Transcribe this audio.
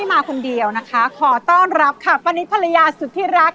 มาคนเดียวนะคะขอต้อนรับค่ะป้านิตภรรยาสุดที่รัก